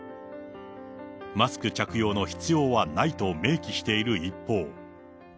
マスク着用の必要はないと明記している一方。